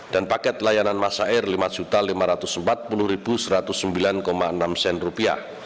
dan paket layanan masa air rp lima lima ratus empat puluh satu ratus sembilan enam